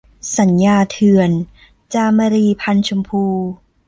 สัญญาเถื่อน - จามรี พรรณชมพู